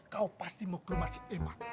kau pasti mau ke rumah si emang